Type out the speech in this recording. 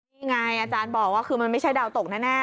นี่ไงอาจารย์บอกว่าคือมันไม่ใช่ดาวตกแน่